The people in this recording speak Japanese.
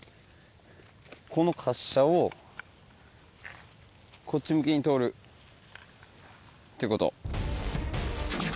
この滑車をこっち向きに通るってこと。